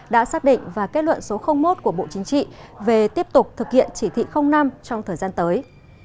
đã xác định và kết luận số một của bộ chính trị về tiếp tục thực hiện chỉ thị năm trong thời gian tới